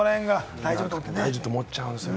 大丈夫と思っちゃうんですよ